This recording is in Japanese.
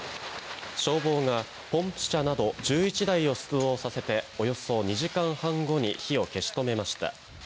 消防がポンプ車など１１台を出動させて、およそ２時間半後に火を消し止めました。